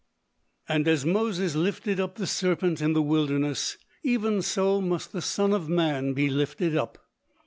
"And as Moses lifted up the serpent in the wilderness, even so must the Son of man be lifted up.